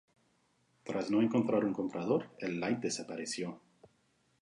Tras no encontrar un comprador, el "Light" desapareció.